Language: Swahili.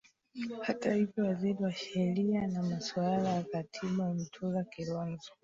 hata hivyo waziri wa sheria na masuala ya katiba mtula kilonzo